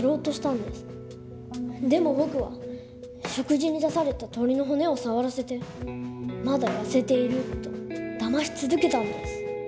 でも僕は食事に出された鶏の骨を触らせてまだ痩せているとだまし続けたんです。